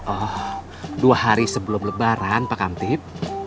oh dua hari sebelum lebaran pak kamtip